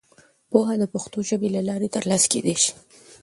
پوهه د پښتو ژبې له لارې ترلاسه کېدای سي.